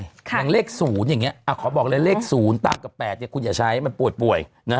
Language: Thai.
อย่างเลข๐อย่างนี้ขอบอกเลยเลข๐ตามกับ๘คุณอย่าใช้มันปวดป่วย